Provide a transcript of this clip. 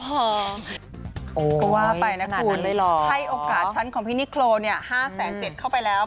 ก็ว่าไปนะคุณให้โอกาสฉันของพี่นิโคร๕๗๐๐เข้าไปแล้ว